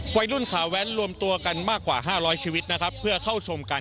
ปแสดงไว้รุ่นขาวแว้น